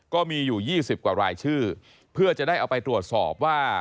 ก็มีอยู่๒๐กว่ารายชื่อเพื่อจะได้เอาไปตรวจสอบว่า